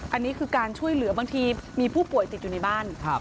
อันนี้คือการช่วยเหลือบางทีมีผู้ป่วยติดอยู่ในบ้าน